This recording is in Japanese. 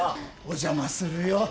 お邪魔するよ。